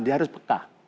dia harus pekah